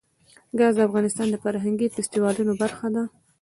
ګاز د افغانستان د فرهنګي فستیوالونو برخه ده.